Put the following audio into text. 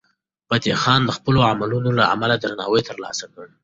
فتح خان د خپلو عملونو له امله درناوی ترلاسه کړ.